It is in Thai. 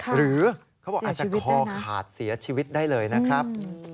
หรือเขาบอกอาจจะคอขาดเสียชีวิตได้เลยนะครับ